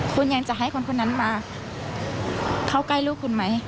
คุณยังจะให้คนคนนั้นมาเข้าใกล้ลูกคุณไหม